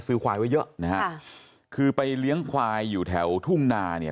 ควายไว้เยอะนะฮะค่ะคือไปเลี้ยงควายอยู่แถวทุ่งนาเนี่ย